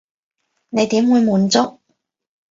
你點會滿足？